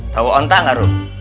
tau ontak gak rum